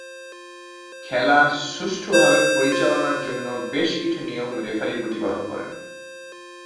খেলা সুষ্ঠুভাবে পরিচালনার জন্য বেশ কিছু নিয়ম রেফারী প্রতিপালন করেন।